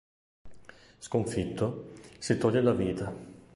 Sconfitto, si toglie la vita.